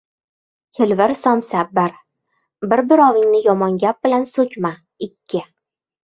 Chilvir solma — bir! Bir-birovingni yomon gap bilan so‘kma — ikki!